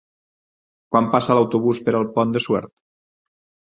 Quan passa l'autobús per el Pont de Suert?